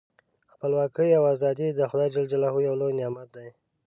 خپلواکي او ازادي د خدای ج یو لوی نعمت دی.